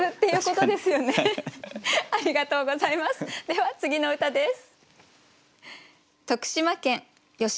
では次の歌です。